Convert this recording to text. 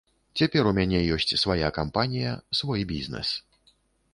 Цяпер у мяне ёсць свая кампанія, свой бізнэс.